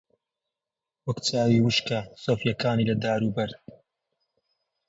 وەک چاوی وشکە سۆفییەکانی لە دار و بەرد